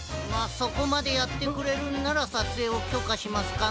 そこまでやってくれるんならさつえいをきょかしますかな。